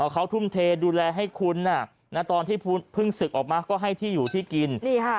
เขาทุ่มเทดูแลให้คุณตอนที่เพิ่งศึกออกมาก็ให้ที่อยู่ที่กิน